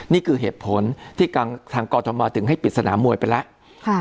นี่คือเหตุผลที่ทางกรทมถึงให้ปิดสนามมวยไปแล้ว